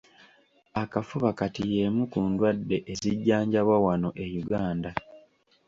Akafuba kati y’emu ku ndwadde ezijjanjabwa wano e Uganda.